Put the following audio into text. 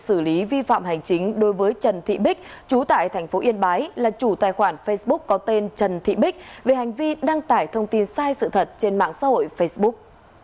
xử lý vi phạm hành chính đối với trần thị bích trú tại thành phố yên bái là chủ tài khoản facebook có tên trần thị bích về hành vi đăng tải thông tin sai sự thật trên mạng xã hội facebook